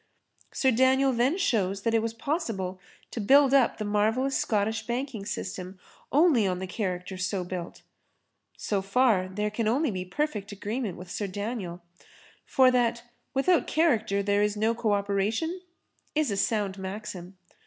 Sir Daniel then shows that it was possible to build up the marvellous Scottish banking system only on the character so built. So far there can only be perfect agreement with Sir Daniel, for that 'without character there is no co operation' is a sound maxim.